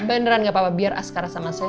beneran gak apa apa biar askara sama saya